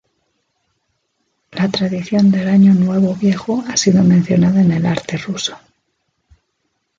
La tradición del año nuevo viejo ha sido mencionada en el arte ruso.